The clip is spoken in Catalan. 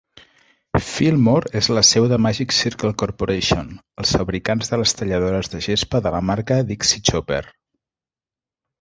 Fillmore és la seu de Magic Circle Corporation, els fabricants de les talladores de gespa de la marca Dixie Chopper.